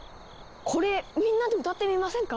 これみんなで歌ってみませんか？